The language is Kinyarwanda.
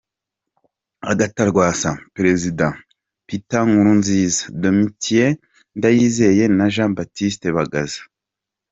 Agathon Rwasa, Perezida Peter Nkurunziza, Domitien Ndayizeye na Jean Baptiste Bagaza